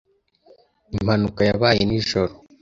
Impanuka yabaye nijoro.